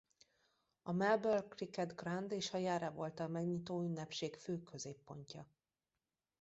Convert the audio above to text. A Melbourne Cricket Ground és a Yarra volt a megnyitóünnepség fő középpontja.